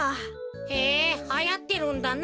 へえはやってるんだな。